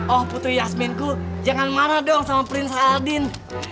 oh putri yasminku jangan marah dong sama prinses aladin